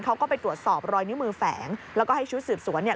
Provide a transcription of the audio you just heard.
เขาก็ไปตรวจสอบรอยนิ้วมือแฝงแล้วก็ให้ชุดสืบสวนเนี่ย